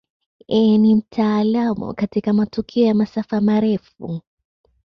Yeye ni mtaalamu katika matukio ya masafa marefu.